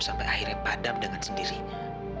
sampai akhirnya padam dengan sendirinya